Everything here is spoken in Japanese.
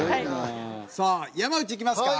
さあ山内いきますか。